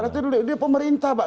berarti dia pemerintah pak